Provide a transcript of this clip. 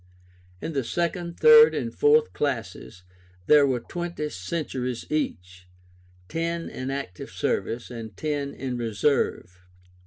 In the second, third, and fourth classes there were twenty centuries each, ten in active service, and ten in reserve.